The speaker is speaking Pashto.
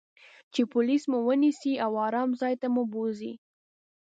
چې پولیس مو و نییسي او آرام ځای ته مو بوزي.